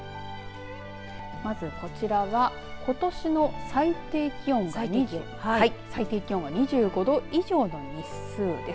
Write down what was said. まずこちらはことしの最低気温が２５度以上の日数です